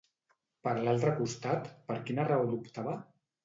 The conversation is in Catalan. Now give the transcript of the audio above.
Per l'altre costat, per quina raó dubtava?